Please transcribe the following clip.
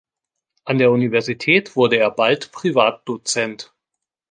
An der Universität wurde er bald Privatdozent.